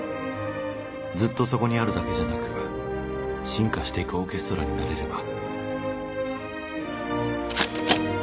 ずっとそこにあるだけじゃなく進化していくオーケストラになれれば